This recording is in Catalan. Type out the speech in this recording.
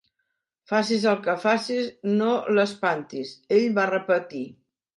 "Facis el que facis, no l'espantis", ell va repetir.